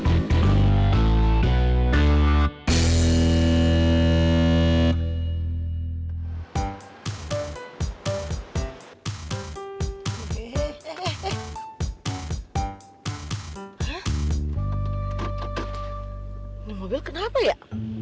ini mobil kenapa ya